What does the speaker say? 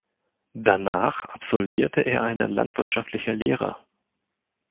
Danach absolvierte er eine landwirtschaftliche Lehre.